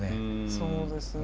そうですね。